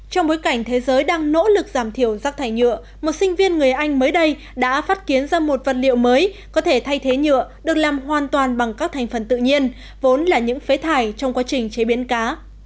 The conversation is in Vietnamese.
trong bối cảnh thế giới đang nỗ lực giảm thiểu rác thải nhựa một sinh viên người anh mới đây đã phát kiến ra một vật liệu mới có thể thay thế nhựa được làm hoàn toàn bằng các thành phần tự nhiên vốn là những phế thải trong quá trình chế biến cá